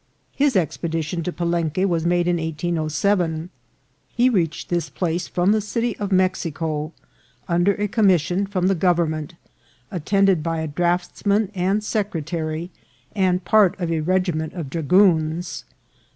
His expedition to Palenque was made in 1807. He reached this place from the city of Mexico, under a commission from the government, at tended by a draughtsman and secretary, and part of a regiment of dragoons.